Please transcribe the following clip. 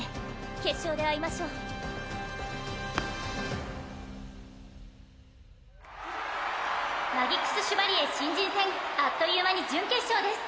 決勝で会いましょうマギクス・シュバリエ新人戦あっという間に準決勝です